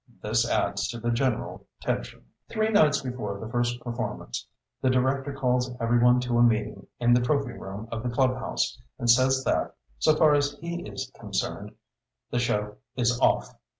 This adds to the general tension. Three nights before the first performance the Director calls every one to a meeting in the trophy room of the Club house and says that, so far as he is concerned, the show is off.